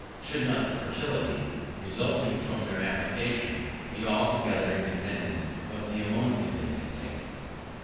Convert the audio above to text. Should not the fertility, resulting from their application, be altogether independent of the ammonia they contain?